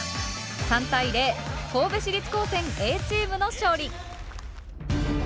３対０神戸市立高専Ａチームの勝利。